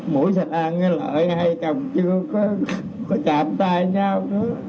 mũi xạch an lợi hai chồng chưa có chạm tay nhau nữa